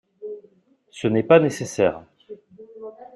Ce n’est pas nécessaire…